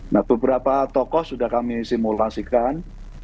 nah beberapa tokoh sudah kami simulasikan